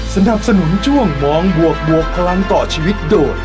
สนับสนุนช่วงมองบวกบวกพลังต่อชีวิตโดย